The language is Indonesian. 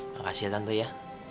makasih ya tante ya